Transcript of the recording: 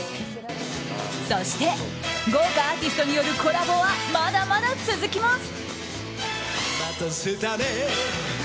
そして、豪華アーティストによるコラボはまだまだ続きます。